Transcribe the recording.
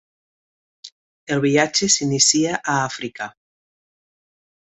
El viatge s'inicia a Àfrica.